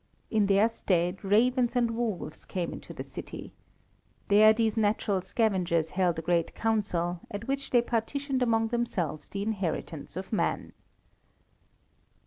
In their stead ravens and wolves came into the city. There these natural scavengers held a great council, at which they partitioned among themselves the inheritance of man.